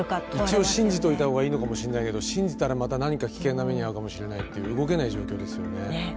一応信じといた方がいいのかもしれないけど信じたらまた何か危険な目に遭うかもしれないという動けない状況ですよね。